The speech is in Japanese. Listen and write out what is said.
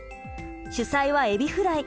主菜はエビフライ。